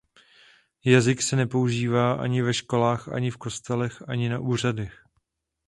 Jazyk se nepoužívá ani ve školách ani v kostelech ani na úřadech.